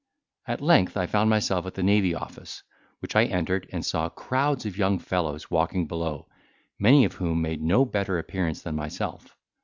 At length I found myself at the Navy Office, which I entered, and saw crowds of young fellows walking below, many of whom made no better appearance than myself.